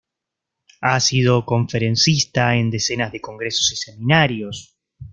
Ha sido conferencista en decenas de congresos y seminarios.